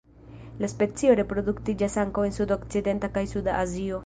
La specio reproduktiĝas ankaŭ en sudokcidenta kaj suda Azio.